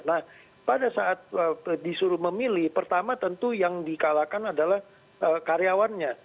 nah pada saat disuruh memilih pertama tentu yang dikalahkan adalah karyawannya